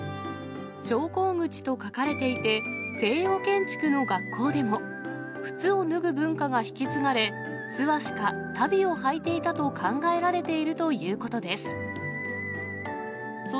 昇降口と書かれていて、西洋建築の学校でも、靴を脱ぐ文化が引き継がれ、素足か足袋を履いていたと考えられているということです。